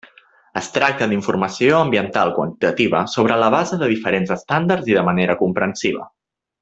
Es tracta d'informació ambiental quantitativa sobre la base de diferents estàndards i de manera comprensiva.